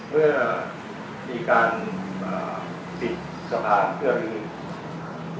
เมื่อมีการปิดสะพานเพื่อรีบ